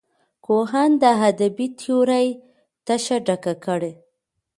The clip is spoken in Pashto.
کوهن د ادبي تیورۍ تشه ډکه کړه.